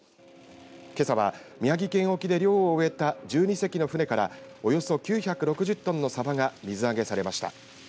けさは宮城県沖で漁を終えた１２隻の船からおよそ９６０トンのさばが水揚げされました。